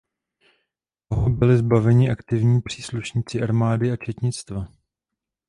Toho byli zbaveni aktivní příslušníci armády a četnictva.